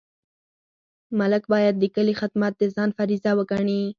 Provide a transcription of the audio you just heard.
ملک باید د کلي خدمت د ځان فریضه وګڼي.